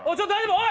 おい！